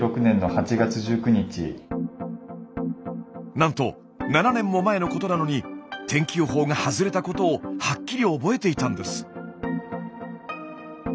なんと７年も前のことなのに天気予報が外れたことをはっきり覚えていたんです。